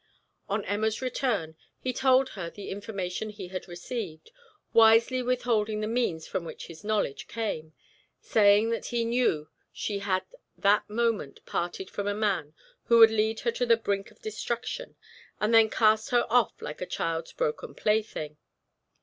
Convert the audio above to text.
On Emma's return, he told her the information he had received, wisely withholding the means from which his knowledge came, saying that he knew she had that moment parted from a man who would lead her to the brink of destruction, and then cast her off like a child's broken play thing.